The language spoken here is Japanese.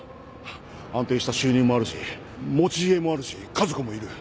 安定した収入もあるし持ち家もあるし家族もいる。